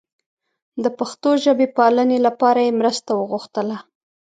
د پښتو ژبې پالنې لپاره یې مرسته وغوښتله.